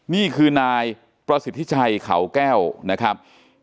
นี่คือนายประสิทธิชัยเขาแก้วนะครับ